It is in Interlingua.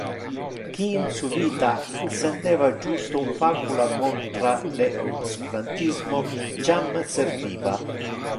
Qui in su vita accendeva justo un facula contra le obscurantismo, jam serviva.